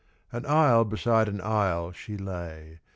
An isle beside an isle she lay.